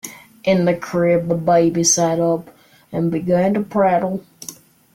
In the crib the baby sat up and began to prattle.